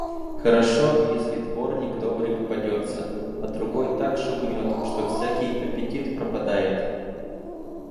Хорошо, если дворник добрый попадётся, а другой так шугнёт, что всякий аппетит пропадает.